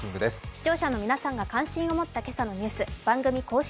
視聴者の皆さんが関心をもった今朝のニュース、番組公式